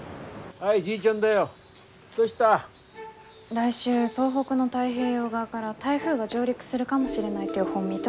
来週東北の太平洋側から台風が上陸するかもしれないって予報見た？